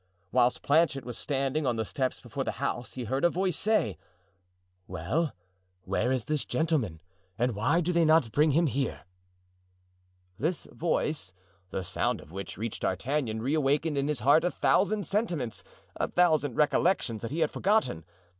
Whilst Planchet was standing on the steps before the house he heard a voice say: "Well, where is this gentleman and why do they not bring him here?" This voice, the sound of which reached D'Artagnan, reawakened in his heart a thousand sentiments, a thousand recollections that he had forgotten.